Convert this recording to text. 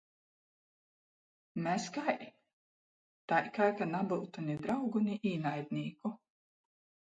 Mes kai?... Tai, kai ka nabyutu ni draugu, ni īnaidnīku!...